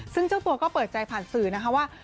ซึ่งเจ้าตัวก็เปิดใจผ่านสื่อนะคะว่า